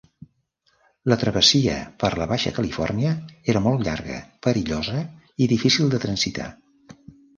La travessia per la Baixa Califòrnia era molt llarga, perillosa i difícil de transitar.